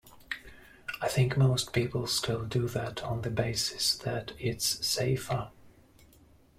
I think most people still do that on the basis that it's safer.